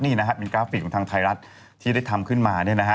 นี่นะครับเป็นกราฟิกของทางไทยรัฐที่ได้ทำขึ้นมาเนี่ยนะฮะ